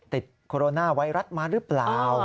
โคโรนาไวรัสมาหรือเปล่า